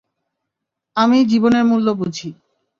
আমি জীবনের মূল্য বুঝি।